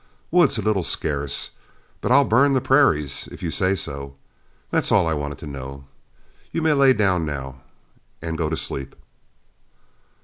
Wood's a little scarce, but I'll burn the prairies if you say so. That's all I wanted to know; you may lay down now and go to sleep."